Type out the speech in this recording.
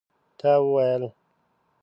تا ويل